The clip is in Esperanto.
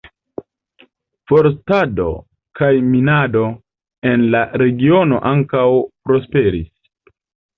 Forstado kaj minado en la regiono ankaŭ prosperis.